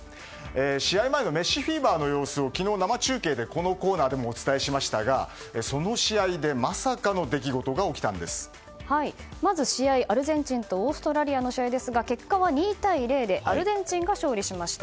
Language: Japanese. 試合前のメッシフィーバーの様子を昨日、生中継でお伝えしましたがその試合でまさかの出来事がまず、試合、アルゼンチンとオーストラリアの試合ですが結果は２対０でアルゼンチンが勝利しました。